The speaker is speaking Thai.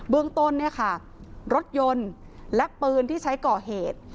เบื้องต้นรถยนต์และปืนที่ใช้ก่อเหตุ